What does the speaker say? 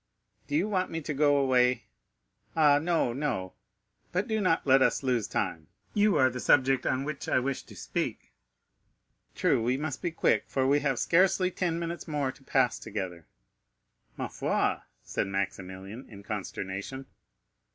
"Do you want me to go away?" "Ah, no, no. But do not let us lose time; you are the subject on which I wish to speak." "True, we must be quick, for we have scarcely ten minutes more to pass together." "Ma foi!" said Maximilian, in consternation.